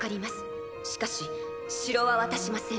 しかし城は渡しません。